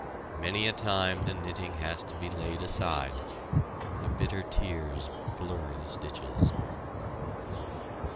Many a time the knitting has to be laid aside, for the bitter tears blur the stitches.